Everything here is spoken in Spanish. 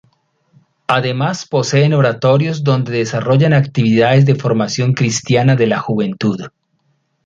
Además poseen oratorios donde desarrollan actividades de formación cristiana de la juventud.